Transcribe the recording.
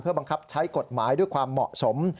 บังคับใช้กฎหมายด้วยความเหมาะสม